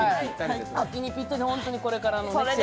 秋にぴったり、本当にこれからの季節ね。